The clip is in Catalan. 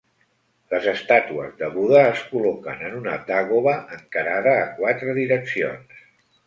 Les estàtues de Buda es col·loquen en una dàgoba, encarada a quatre direccions.